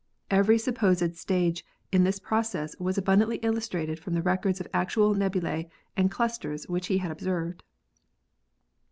Every supposed stage in this process was abundantly illustrated from the records of actual nebulae and clusters which he had observed.